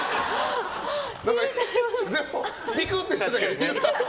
でも、ぴくってしてたけど。